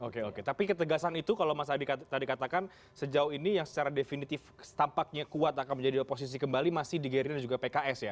oke oke tapi ketegasan itu kalau mas adi tadi katakan sejauh ini yang secara definitif tampaknya kuat akan menjadi oposisi kembali masih di gerindra dan juga pks ya